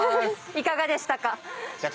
いかがでしたか？